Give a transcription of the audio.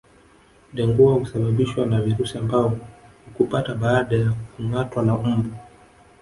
Dengua husababishwa na virusi ambao hukupata baada ya kungâatwa na mbu